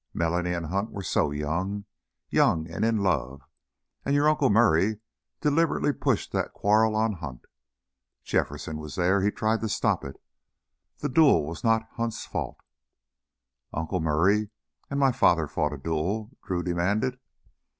Melanie and Hunt were so young, young and in love. And your Uncle Murray deliberately pushed that quarrel on Hunt. Jefferson was there; he tried to stop it. The duel was not Hunt's fault " "Uncle Murray and my father fought a duel?" Drew demanded.